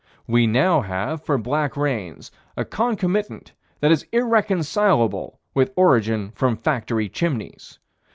We now have, for black rains, a concomitant that is irreconcilable with origin from factory chimneys.